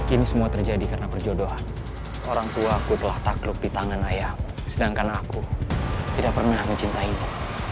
ini semua terjadi karena perjodohan orangtuaku telah takluk di tangan ayahku sedangkan aku tidak pernah mencintaimu